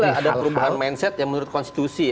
di sini lah ada perubahan mindset yang menurut konstitusi